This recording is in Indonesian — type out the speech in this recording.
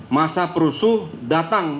masa perusuh datang